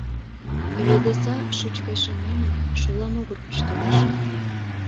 Ведеса, шӱч гай шемемын, шола могыр гыч толеш.